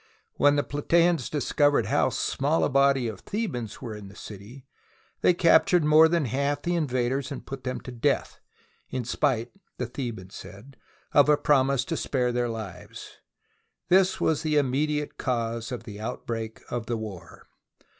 When the Platseans discovered how small a body of Thebans were in the city, they captured more than half of the invaders and put them to death, in spite, the Thebans said, of a promise to spare their lives. This was the immediate cause of the outbreak of the war.